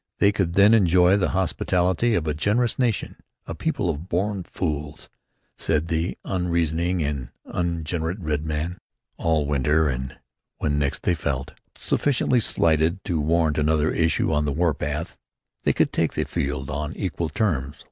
They could then enjoy the hospitality of a generous nation (a people of born fools, said the unreasoning and unregenerate red man) all winter, and, when next they felt sufficiently slighted to warrant another issue on the warpath, they could take the field on equal terms.